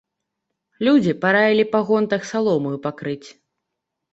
Людзі параілі па гонтах саломаю пакрыць.